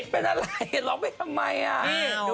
เป็นอะไรร้องไปทำไมอ่ะ